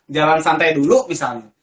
jalan santai dulu misalnya